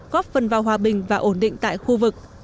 góp phần vào hòa bình và ổn định tại khu vực